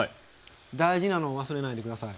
大事なのを忘れないで下さい。